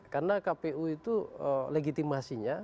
karena kpu itu legitimasinya